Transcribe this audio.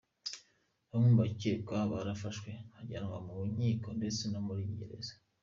Bamwe mu bakekwa barafashwe bajyanwa mu nkiko, ndetse no muri gereza.